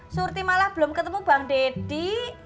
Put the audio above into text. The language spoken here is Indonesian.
surti malah belum ketemu bang deddy